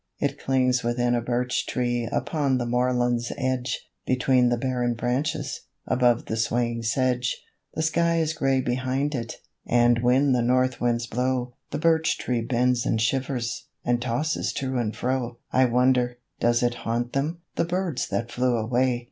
It clings within a birch tree Upon the moorland's edge, Between the barren branches, Above the swaying sedge. The sky is gray behind it, And when the north winds blow, The birch tree bends and shivers, And tosses to and fro. I wonder, does it haunt them, The birds that flew away?